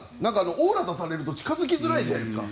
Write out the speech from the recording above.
オーラを出されると近付きづらいじゃないですか。